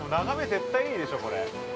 絶対いいでしょう、これ。